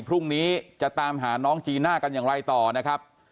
พรุ่งนี้จะตามหาน้องจีน่ากันอย่างไรต่อนะครับ